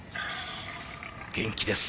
元気です。